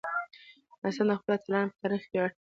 افغانستان د خپلو اتلانو په تاریخ ویاړي.